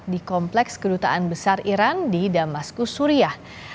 di kompleks kedutaan besar iran di damaskus suriah